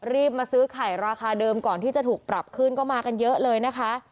มาซื้อไข่ราคาเดิมก่อนที่จะถูกปรับขึ้นก็มากันเยอะเลยนะคะ